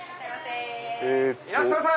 いらっしゃいませ。